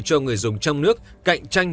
cho người dùng trong nước cạnh tranh